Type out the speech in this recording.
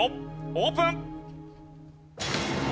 オープン！